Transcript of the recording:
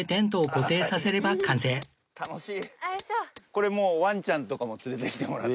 これもうワンちゃんとかも連れてきてもらって。